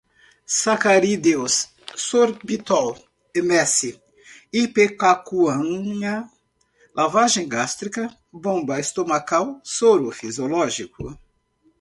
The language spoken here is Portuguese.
sacarídeos, sorbitol, emese, ipecacuanha, lavagem gástrica, bomba estomacal, soro fisiológico